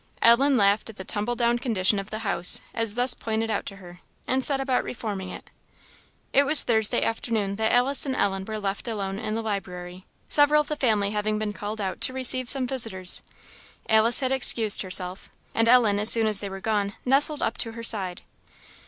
Ellen laughed at the tumble down condition of the house, as thus pointed out to her, and set about reforming it. It was Thursday afternoon that Alice and Ellen were left alone in the library, several of the family having been called out to receive some visitors; Alice had excused herself, and Ellen, as soon as they were gone, nestled up to her side.